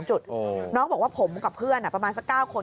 น้องบอกว่าผมกับเพื่อนประมาณสัก๙คน